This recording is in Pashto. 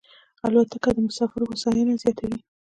الوتکه د مسافرو هوساینه زیاتوي.